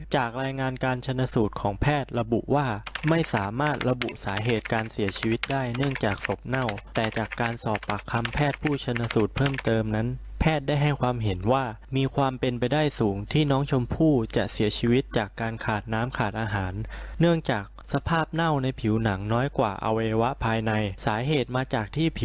จากรายงานการชนะสูตรของแพทย์ระบุว่าไม่สามารถระบุสาเหตุการเสียชีวิตได้เนื่องจากศพเน่าแต่จากการสอบปากคำแพทย์ผู้ชนสูตรเพิ่มเติมนั้นแพทย์ได้ให้ความเห็นว่ามีความเป็นไปได้สูงที่น้องชมพู่จะเสียชีวิตจากการขาดน้ำขาดอาหารเนื่องจากสภาพเน่าในผิวหนังน้อยกว่าอวัยวะภายในสาเหตุมาจากที่ผิว